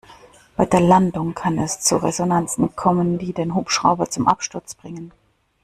Bei der Landung kann es zu Resonanzen kommen, die den Hubschrauber zum Absturz bringen.